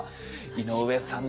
井上さん